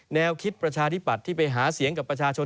แนวคิดประชาธิปัตย์ที่ไปหาเสียงกับประชาชน